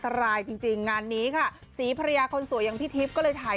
ตราเงียนรถค่ะ